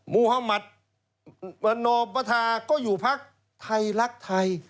มุธมัติวันนโบธาก็อยู่ภักดิ์ไทยรักไทย